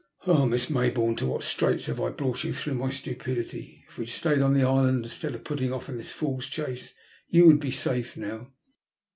Oh, Miss Mayboume, to what straits have I brought you through my stupidity. If we had stayed on the island instead of putting off on this fool's chase you would be safe now."